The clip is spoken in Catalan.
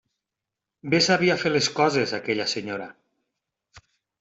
Bé sabia fer les coses aquella senyora.